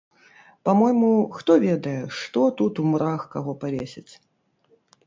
Па-мойму, хто ведае, што тут у мурах каго павесяць?